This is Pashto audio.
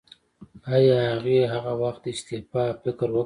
ایا هغې هغه وخت د استعفا فکر وکړ؟